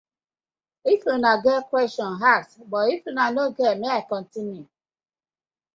If una get question, ask but if una no get, mek I continue.